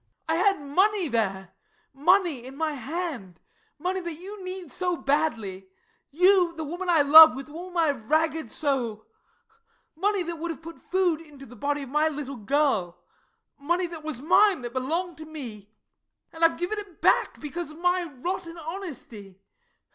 I had money there money in my hand money that you need so badly, you, the woman I love with all my ragged soul money that would have put food into the body of my little girl money that was mine, that belonged to me and I've given it back, because of my rotten honesty!